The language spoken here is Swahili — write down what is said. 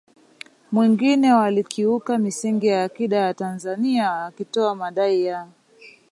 mwingine walikiuka misingi ya akida ya Tanzania wakitoa madai ya